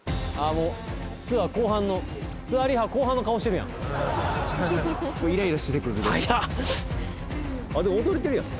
もうツアー後半のツアーリハ後半の顔してるやんイライラしてくるであっでも踊れてるやん